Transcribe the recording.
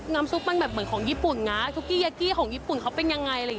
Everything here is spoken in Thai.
ซุปมันแบบเหมือนของญี่ปุ่นนะซุกกี้ยกี้ของญี่ปุ่นเขาเป็นยังไงอะไรอย่างนี้